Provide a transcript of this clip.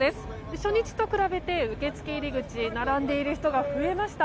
初日と比べて受け付け入り口は並んでいる人が増えました。